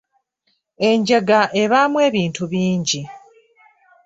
Enjega ebaamu ebintu bingi.